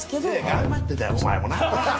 頑張ってたよ、お前もな。